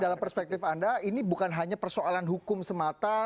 jadi dalam perspektif anda ini bukan hanya persoalan hukum semata